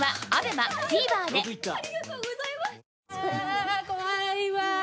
ああ怖いわ！